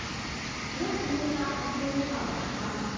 白い煙が上がっているのが分かります。